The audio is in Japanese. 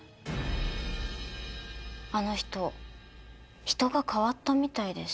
あの人人が変わったみたいです。